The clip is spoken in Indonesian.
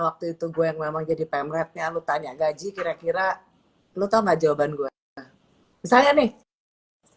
waktu itu gue memang jadi pamretnya lu tanya gaji kira kira lu tahu jawaban gue saya nih